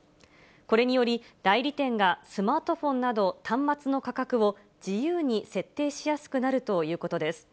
これにより、代理店がスマートフォンなど、端末の価格を自由に設定しやすくなるということです。